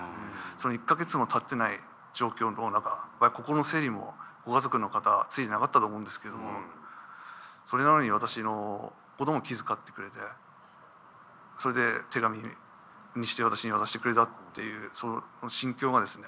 その１か月もたってない状況の中心の整理もご家族の方ついてなかったと思うんですけどもそれなのに私のことも気遣ってくれてそれで手紙にして私に渡してくれたっていうその心境がですね。